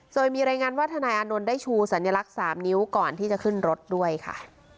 โดยมีรายงานว่าทนายอานนท์ได้ชูสัญลักษณ์๓นิ้วก่อนที่จะขึ้นรถด้วยค่ะ